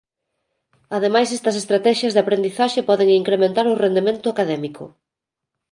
Ademais estas estratexias de aprendizaxe poden incrementar o rendemento académico.